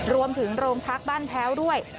รวมถึงโรงพักบ้านแพ้วด้วย